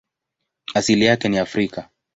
Asili yake ni Afrika.